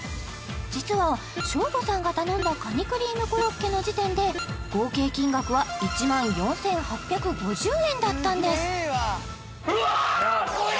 実はショーゴさんが頼んだカニクリームコロッケの時点で合計金額は１万４８５０円だったんですうわ